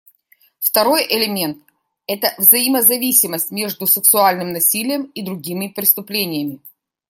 Второй элемент — это взаимозависимость между сексуальным насилием и другими преступлениями.